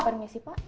baru ya sih pak